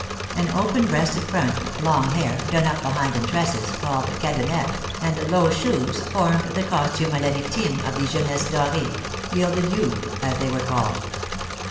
An open breasted front, long hair, done up behind in tresses, called cadenettes, and low shoes, formed the costume a la victime of the Jeunesse doree (gilded youth), as they were called.